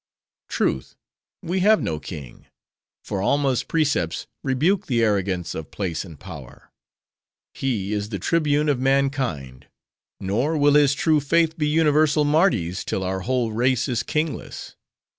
"Truth. We have no king; for Alma's precepts rebuke the arrogance of place and power. He is the tribune of mankind; nor will his true faith be universal Mardi's, till our whole race is kingless.